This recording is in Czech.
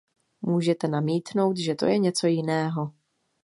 Můžete namítnout, že to je něco jiného.